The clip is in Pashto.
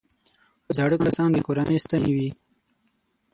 زاړه کسان د کورنۍ ستنې وي